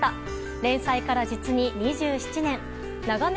連載から実に２７年。